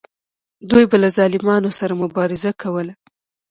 دوی به له ظالمانو سره مبارزه کوله.